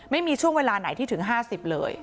ไม่มีช่วงเวลาไหนที่ถึง๕๐เลย